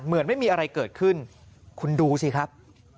เหมือนไม่มีอะไรเกิดขึ้นคุณดูสิครับ